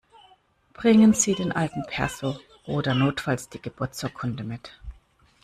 Bringen Sie den alten Perso oder notfalls die Geburtsurkunde mit!